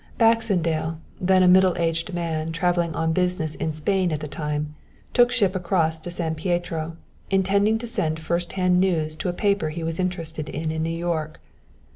"Baxendale, then a middle aged man, traveling on business in Spain at the time, took ship across to San Pietro, intending to send first hand news to a paper he was interested in in New York.